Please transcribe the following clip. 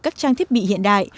các trang thiết bị hiện đại